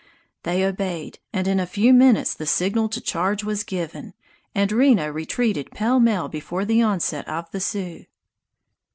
They obeyed, and in a few minutes the signal to charge was given, and Reno retreated pell mell before the onset of the Sioux.